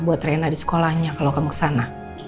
buat rena di sekolahnya kalau kamu ke sana